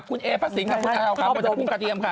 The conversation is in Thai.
อืม